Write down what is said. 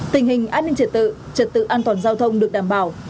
tình hình an ninh trật tự trật tự an toàn giao thông được đảm bảo